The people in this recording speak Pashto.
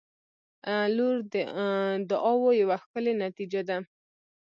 • لور د دعاوو یوه ښکلي نتیجه ده.